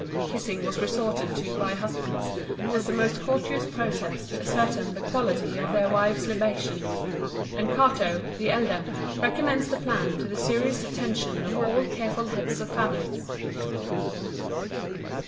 Kissing was resorted to by husbands as the most courteous process to ascertain the quality of their wives' libations; and Cato, the elder, recommends the plan to the serious attention of all careful heads of families.